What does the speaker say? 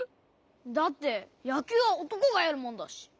だってやきゅうはおとこがやるもんだし。